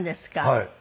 はい。